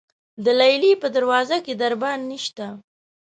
د لیلې په دروازه کې دربان نشته.